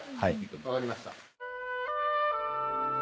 分かりました。